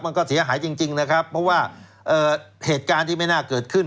มันก็เสียหายจริงนะครับเพราะว่าเหตุการณ์ที่ไม่น่าเกิดขึ้น